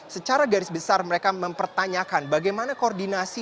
secara garis besar mereka mempertanyakan bagaimana koordinasi